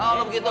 oh lu begitu